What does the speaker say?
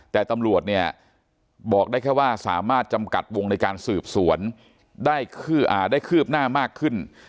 แต่ตำรวจเนี่ยบอกได้แค่ว่าสามารถจำกัดวงในการสืบสวนได้คืบหน้ามากขึ้น